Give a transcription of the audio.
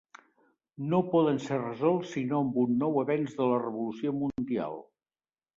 No poden ser resolts sinó amb un nou avenç de la revolució mundial.